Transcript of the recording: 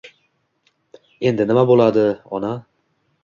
— Endi nima bo'ladi, ona?